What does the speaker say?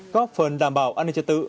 có phần đảm bảo an ninh trật tự